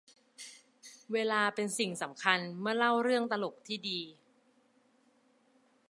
เวลาเป็นสิ่งสำคัญเมื่อเล่าเรื่องตลกที่ดี